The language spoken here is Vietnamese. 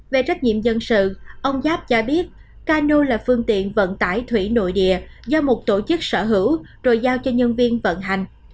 về trách nhiệm dân sự ông giáp cho biết cano là phương tiện vận tải thủy nội địa do một tổ chức sở hữu rồi giao cho nhân viên vận hành